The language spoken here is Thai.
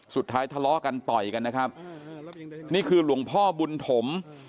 ทะเลาะกันต่อยกันนะครับนี่คือหลวงพ่อบุญถม